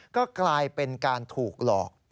ก็กลายเป็นการถูกหลอก